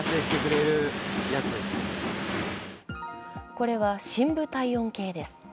これは深部体温計です。